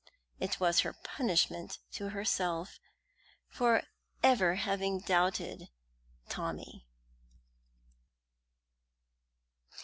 It was her punishment to herself for ever having doubted Tommy.